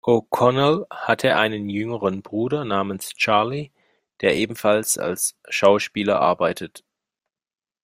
O’Connell hat einen jüngeren Bruder namens Charlie, der ebenfalls als Schauspieler arbeitet.